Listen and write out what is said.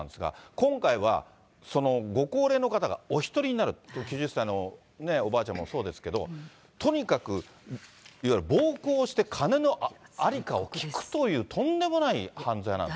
今回はご高齢の方がお１人になる、９０歳、おばあちゃまもそうですけど、とにかくいわゆる暴行して金のありかを聞くという、とんでもない犯罪なんですね。